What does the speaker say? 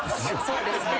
そうですね。